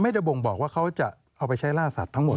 บ่งบอกว่าเขาจะเอาไปใช้ล่าสัตว์ทั้งหมด